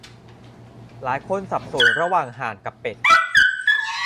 หลายคนสับสนระหว่างห่านกับเป็ด